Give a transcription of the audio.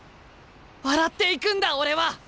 笑って行くんだ俺は！